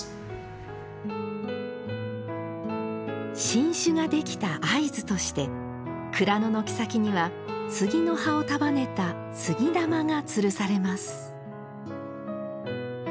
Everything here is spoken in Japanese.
新酒ができた合図として蔵の軒先には杉の葉を束ねた杉玉がつるされます